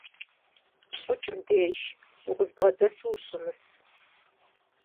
Ӏукӏ мыбдеж, укъызбгъэдэсу ущымыс.